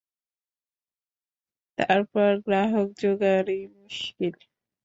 তার পর গ্রাহক যোগাড়ই মুশকিল।